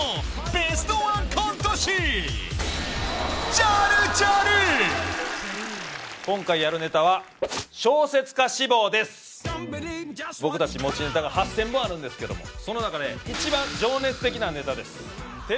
ベストワンコント師僕達持ちネタが８０００本あるんですけどもその中で一番情熱的なネタです